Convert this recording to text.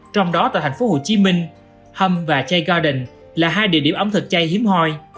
trong đó tại thành phố hồ chí minh hâm và chay garden là hai địa điểm ẩm thực chay hiếm hoi